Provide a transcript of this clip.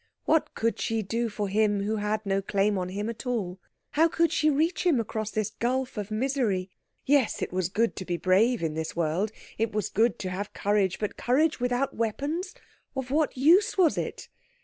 What could she do for him, who had no claim on him at all? How could she reach him across this gulf of misery? Yes, it was good to be brave in this world, it was good to have courage, but courage without weapons, of what use was it?